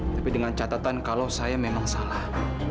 tapi dengan catatan kalau saya memang salah